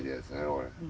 これ。